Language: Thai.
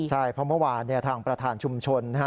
ใช่เพราะเมื่อวานทางประธานชุมชน